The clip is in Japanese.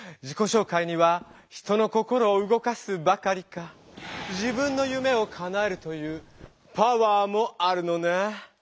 自己紹介には人の心をうごかすばかりか自分の夢をかなえるというパワーもあるのね！